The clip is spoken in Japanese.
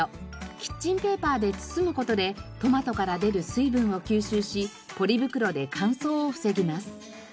キッチンペーパーで包む事でトマトから出る水分を吸収しポリ袋で乾燥を防ぎます。